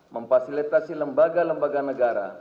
memfasilitasi lembaga lembaga negara